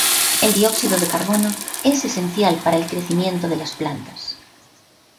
El dióxido de carbono es esencial para el crecimiento de las plantas.